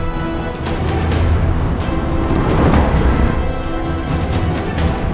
pak irfan sudah menunggu